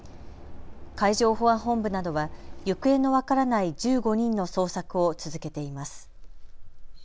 海上保安本部などは行方の分からない１５人の捜索を続けています。